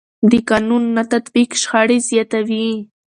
د قانون نه تطبیق شخړې زیاتوي